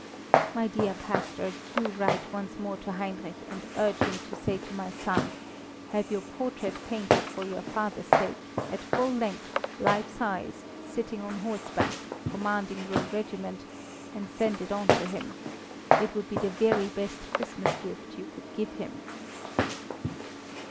My dear pastor, do write once more to Heinrich, and urge him to say to my son, 'Have your portrait painted for your father's sake, at full length, life size, sitting on horseback, commanding your regiment, and send it on to him. It would be the very best Christmas gift you could give him.'"